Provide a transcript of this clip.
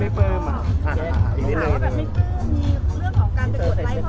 แม็กซ์ก็คือหนักที่สุดในชีวิตเลยจริง